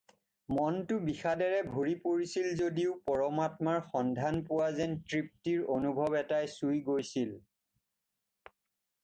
মনটো বিষাদেৰে ভৰি পৰিছিল যদিও পৰাত্মাৰ সন্ধান পোৱা যেন তৃপ্তিৰ অনুভৱ এটাই চুই গৈছিল।